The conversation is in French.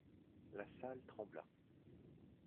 La salle trembla.